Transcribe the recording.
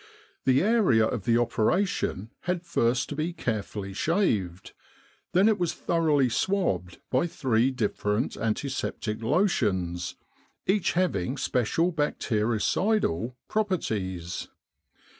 The area of the operation had first to be carefully shaved. Then it was thoroughly swabbed by three different antiseptic lotions, each having special bactericidal properties.